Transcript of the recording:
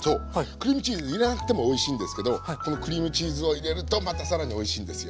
クリームチーズ入れなくてもおいしいんですけどこのクリームチーズを入れるとまた更においしいんですよ。